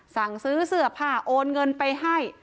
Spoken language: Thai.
สั่งซื้อเสื้อผ้าโอนเงินไปให้